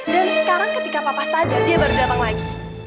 dan sekarang ketika papa sadar dia baru datang lagi